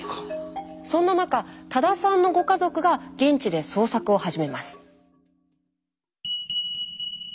そんな中多田さんのご家族が現地で捜索を始めます。